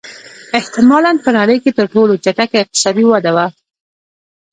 احتمالًا په نړۍ کې تر ټولو چټکه اقتصادي وده وه.